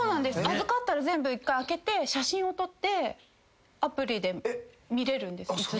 預かったら全部１回開けて写真を撮ってアプリで見れるんですいつでも。